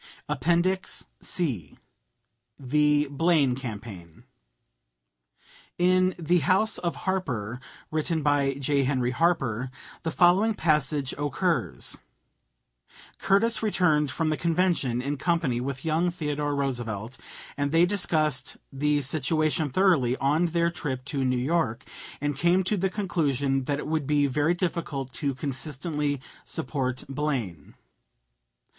APPENDIX C THE BLAINE CAMPAIGN In "The House of Harper," written by J. Henry Harper, the following passage occurs: "Curtis returned from the convention in company with young Theodore Roosevelt and they discussed the situation thoroughly on their trip to New York and came to the conclusion that it would be very difficult to consistently support Blaine.